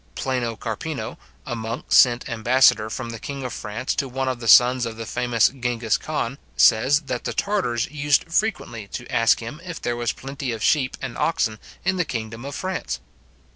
Plano Carpino, a monk sent ambassador from the king of France to one of the sons of the famous Gengis Khan, says, that the Tartars used frequently to ask him, if there was plenty of sheep and oxen in the kingdom of France?